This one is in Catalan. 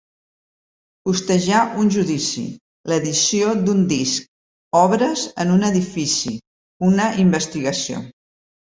Costejar un judici, l'edició d'un disc, obres en un edifici, una investigació.